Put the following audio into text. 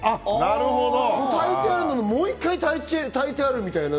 炊いてあるのをもう一回、炊いてあるみたいな。